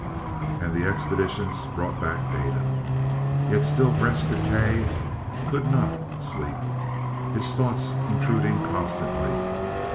And the expeditions brought back data. Yet still Gresth Gkae could not sleep, his thoughts intruding constantly.